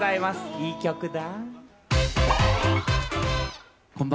いい曲だ。